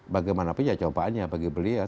bagaimana punya cobaannya bagi beliau